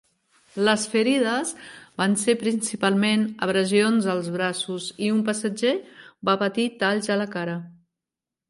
Les ferides van ser principalment abrasions als braços, i un passatger va patir talls a la cara.